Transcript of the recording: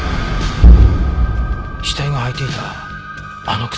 死体が履いていたあの靴